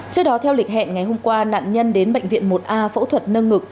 trước đó theo lịch hẹn ngày hôm qua nạn nhân đến bệnh viện một a phẫu thuật nâng ngực